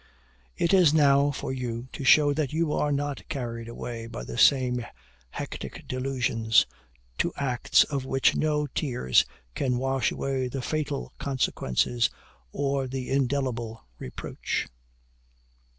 It is now for you to show that you are not carried away by the same hectic delusions, to acts of which no tears can wash away the fatal consequences or the indelible reproach."